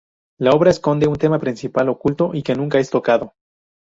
La obra esconde un tema principal oculto y que nunca es tocado.